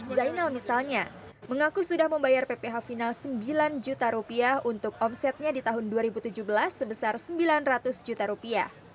zainal misalnya mengaku sudah membayar pph final sembilan juta rupiah untuk omsetnya di tahun dua ribu tujuh belas sebesar sembilan ratus juta rupiah